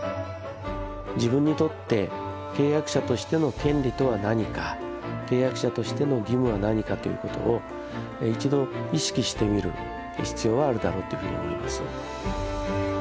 自分にとって契約者としての権利とは何か契約者としての義務は何かという事を一度意識してみる必要はあるだろうというふうに思います。